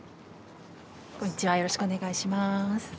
こんにちはよろしくお願いします。